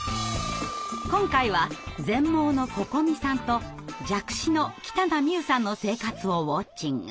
今回は全盲のここみさんと弱視の北名美雨さんの生活をウォッチング！